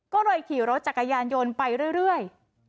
ก็เลยขี่รถจักรยานยนต์ไปเรื่อย